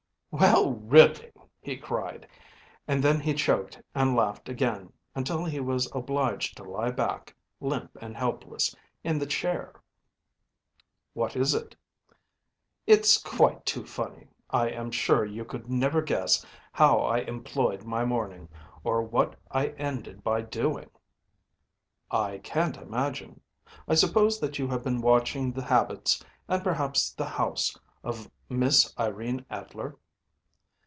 “Well, really!‚ÄĚ he cried, and then he choked and laughed again until he was obliged to lie back, limp and helpless, in the chair. “What is it?‚ÄĚ “It’s quite too funny. I am sure you could never guess how I employed my morning, or what I ended by doing.‚ÄĚ “I can’t imagine. I suppose that you have been watching the habits, and perhaps the house, of Miss Irene Adler.